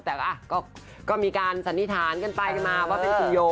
แต่ก็มีการสันนิษฐานกันไปกันมาว่าเป็นคุณโย